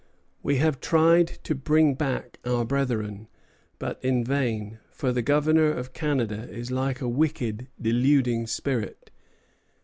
We have tried to bring back our brethren, but in vain; for the Governor of Canada is like a wicked, deluding spirit.